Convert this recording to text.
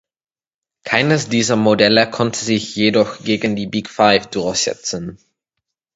Keines dieser Modelle konnte sich jedoch gegen die Big Five durchsetzen.